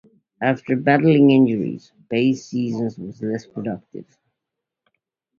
After battling injuries, Bay's season was less productive.